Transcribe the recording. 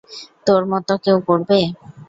তোর মতো কেউ করবে?